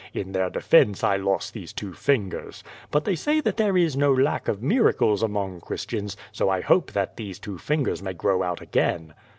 In their defense I lost these two fingers. But they say that there is no lack of miracles among Christians, 80 I hope that these two fingers may grow out again."